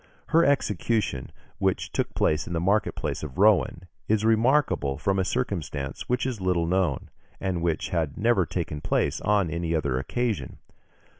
Her execution, which took place in the market place of Rouen, is remarkable from a circumstance which is little known, and which had never taken place on any other occasion.